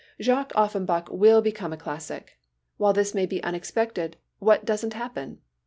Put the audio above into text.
Jacques Offenbach will become a classic. While this may be unexpected, what doesn't happen?